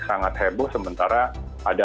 sangat heboh sementara ada